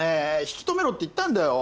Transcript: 引き留めろって言ったんだよ。